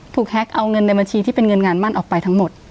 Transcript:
แฮ็กเอาเงินในบัญชีที่เป็นเงินงานมั่นออกไปทั้งหมด